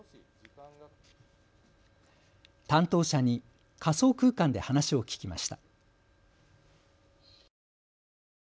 担当者に仮想空間で話を聞きました。